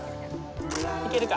いけるか。